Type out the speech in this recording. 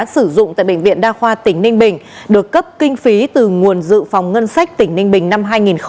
sử dụng tại bệnh viện đa khoa tỉnh ninh bình được cấp kinh phí từ nguồn dự phòng ngân sách tỉnh ninh bình năm hai nghìn một mươi bảy